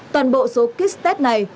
toàn bộ số kích test này